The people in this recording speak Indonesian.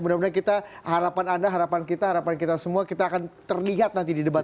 mudah mudahan kita harapan anda harapan kita harapan kita semua kita akan terlihat nanti di debat